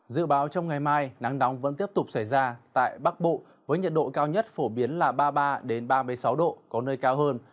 dự báo trong ngày mai nắng nóng vẫn tiếp tục xảy ra tại bắc bộ với nhiệt độ cao nhất phổ biến là ba mươi ba ba mươi sáu độ có nơi cao hơn